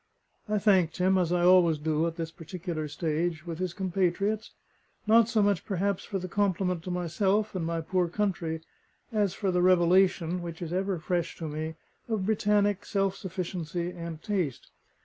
I thanked him, as I always do, at this particular stage, with his compatriots: not so much perhaps for the compliment to myself and my poor country, as for the revelation (which is ever fresh to me) of Britannic self sufficiency and taste.